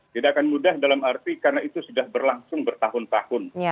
tidak akan mudah dalam arti karena itu sudah berlangsung bertahun tahun